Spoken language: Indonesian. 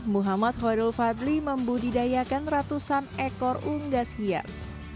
muhammad khairul fadli membudidayakan ratusan ekor unggas hias